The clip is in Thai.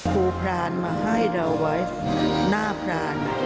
ครูพรานมาให้เราไว้หน้าพราน